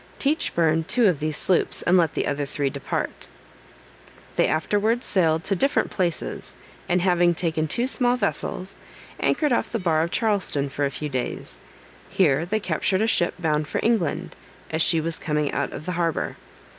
Teach burned two of these sloops, and let the other three depart. They afterwards sailed to different places, and having taken two small vessels, anchored off the bar of Charleston for a few days. Here they captured a ship bound for England, as she was coming out of the harbor.